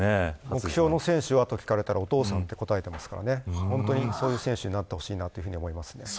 目標の選手はと聞かれたらお父さんと答えていまして本当にそういう選手になってほしいと思います。